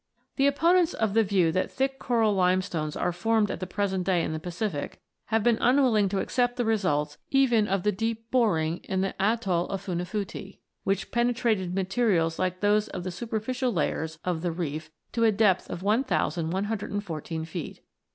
The opponents of the view that thick coral limestones are formed at the present day in the Pacific have been unwilling to accept the results even of the deep boring in the atoll of Funafuti (9), which penetrated materials like those of the superficial layers of the reef to a depth of 1114 feet.